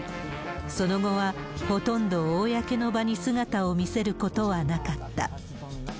その後は、ほとんど公の場に姿を見せることはなかった。